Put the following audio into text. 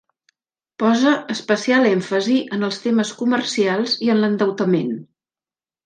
Posa especial èmfasi en els temes comercials i en l'endeutament.